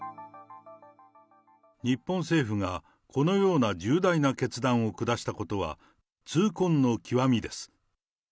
日本政府がこのような重大な決断を下したことは、痛恨の極みです。